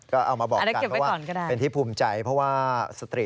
ก็เอามาบอกกันเพราะว่าเป็นที่ภูมิใจเพราะว่าอันนี้เก็บไปก่อนก็ได้